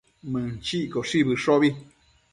Mënchiccoshi bëshobi